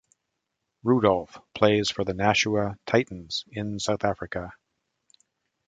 Rudolph plays for the Nashua Titans in South Africa.